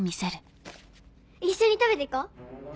一緒に食べてこ。